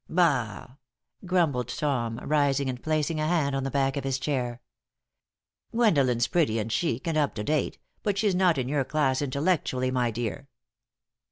"Bah!" grumbled Tom, rising and placing a hand on the back of his chair, "Gwendolen's pretty and chic and up to date, but she's not in your class intellectually, my dear."